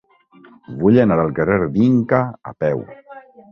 Vull anar al carrer d'Inca a peu.